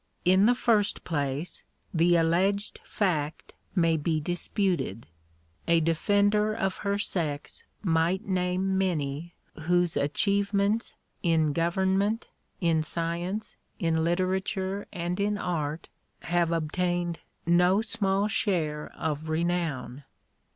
In the first place, the alleged fact may be disputed. A defender of her sex might name many whose achievements in government, in science, in literature, and in art, have ob tained no small share of renown.